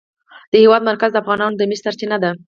د هېواد مرکز د افغانانو د معیشت سرچینه ده.